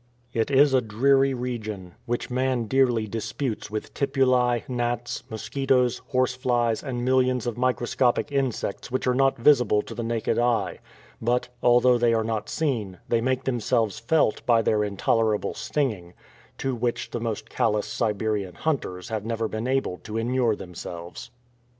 It is a dreary region, which man dearly disputes with tipulae, gnats, mosquitos, horse flies, and millions of microscopic insects which are not visible to the naked eye; but, although they are not seen, they make themselves felt by their intolerable stinging, to which the most callous Siberian hunters have never been able to inure themselves.